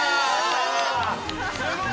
すごい！